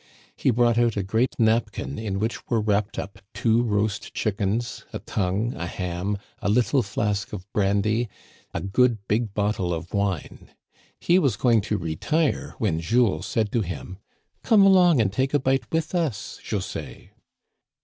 He brought out a great napkin in which were wrapped up two roast chickens, a tongue, a ham, a little flask of brandy, a good big bottle of wine. He was going to retire when Jules said to him : "Come along and take a bite with us, José."